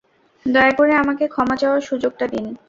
দয়া করে আমাকে ক্ষমা চাওয়ার সুযোগটা দিন!